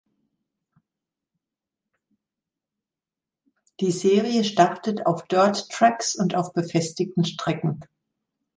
Die Serie startet auf Dirt-Tracks und auf befestigten Strecken.